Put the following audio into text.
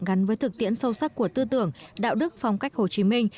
gắn với thực tiễn sâu sắc của tư tưởng đạo đức phong cách hồ chí minh